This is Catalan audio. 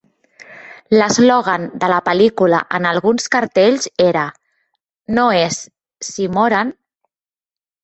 L'eslògan de la pel·lícula en alguns cartells era, "No és, si moren...".